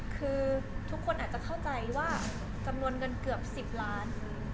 คือทุกคนอาจจะเข้าใจว่าจำนวนเงินเกือบ๑๐ล้าน